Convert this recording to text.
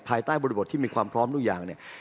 ภายใต้บริบทที่มีความพร้อมทุกอย่างเนี่ย